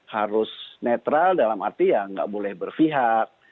harus netral dalam arti ya gak boleh berfihak